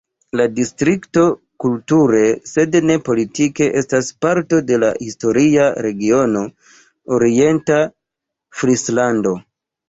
La distrikto kulture, sed ne politike, estas parto de la historia regiono Orienta Frislando.